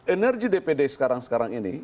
energi dpd sekarang sekarang ini